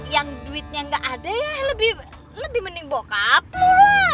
yang duitnya gak ada ya lebih mending bokap lu